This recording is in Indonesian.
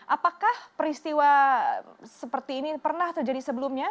apakah peristiwa seperti ini pernah terjadi sebelumnya